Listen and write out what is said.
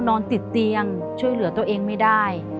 นอนติดเตียงช่วยเหลือตัวเองไม่ได้